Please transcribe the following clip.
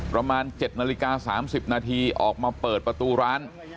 ระมาณเจ็ดนาฬิกาสามสิบนาทีออกมาเปิดประตูร้าน